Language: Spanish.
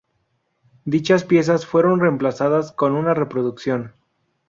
Dichas piezas fueron reemplazadas con una reproducción.